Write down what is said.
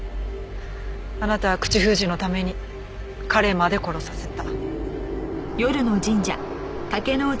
あなたは口封じのために彼まで殺させた。